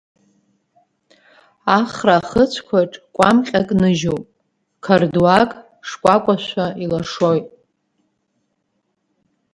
Ахра ахыцәқәаҿс-кәамҟьак ныжьуп, қардуаг шкәакәашәа илашоит.